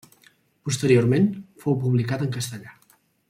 Posteriorment, fou publicat en castellà.